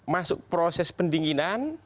masuk proses pendinginan